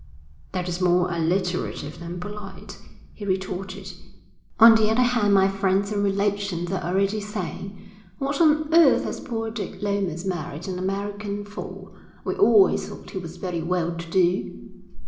'That is more alliterative than polite,' he retorted. 'On the other hand my friends and relations are already saying: What on earth has poor Dick Lomas married an American for? We always thought he was very well to do.'